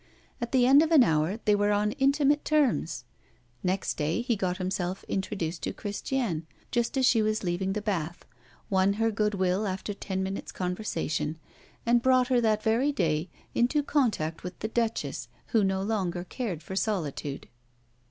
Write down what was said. At the end of an hour, they were on intimate terms. Next day, he got himself introduced to Christiane just as she was leaving the bath, won her good will after ten minutes' conversation, and brought her that very day into contact with the Duchess, who no longer cared for solitude.